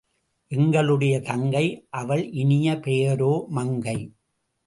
எங்களுடைய தங்கை—அவள் இனிய பெயரோ மங்கை.